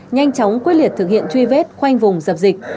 nhanh chóng quyết liệt thực hiện truy vết khoanh vùng dập dịch